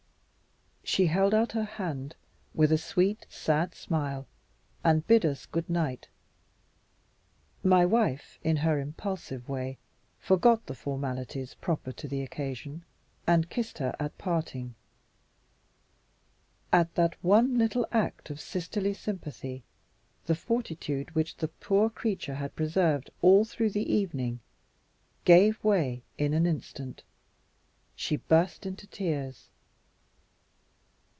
She held out her hand, with a sweet, sad smile, and bid us good night. My wife, in her impulsive way, forgot the formalities proper to the occasion, and kissed her at parting. At that one little act of sisterly sympathy, the fortitude which the poor creature had preserved all through the evening gave way in an instant. She burst into tears.